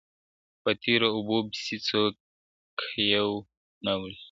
په تېرو اوبو پسي څوک يوم نه وړي.